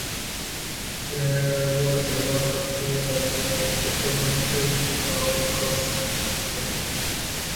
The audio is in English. There was another film, a documentary on cosplay.